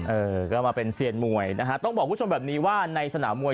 เออก็มาเป็นเซียนมวยนะฮะต้องบอกคุณผู้ชมแบบนี้ว่าในสนามมวย